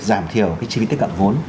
giảm thiểu cái chi phí tiếp cận vốn